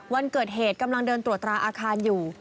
วันเกิดเหตุกำลังเดินตรวจตราอาคารอยู่